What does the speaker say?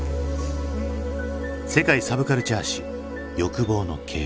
「世界サブカルチャー史欲望の系譜」。